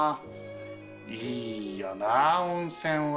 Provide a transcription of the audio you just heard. いいよな温泉は！